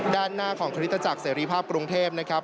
ด้านหน้าของคริสตจักรเสรีภาพกรุงเทพนะครับ